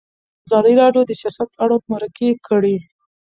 ازادي راډیو د سیاست اړوند مرکې کړي.